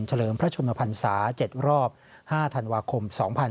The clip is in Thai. เฉลิมพระชนภรรษา๗รอบ๕พรรภ๒๕๕๔